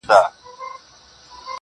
o د تورو سترگو وه سورخۍ ته مي.